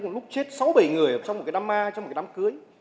một lúc chết sáu bảy người ở trong một cái đám ma trong một cái đám cưới